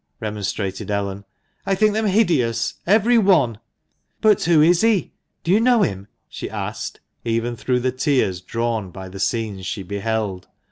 remonstrated Ellen. "I think them hideous, every one!" "But who is he? Do you know him?" she asked, even through the tears drawn by the scenes she beheld.